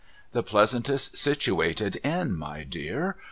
, The pleasantest situated inn my dear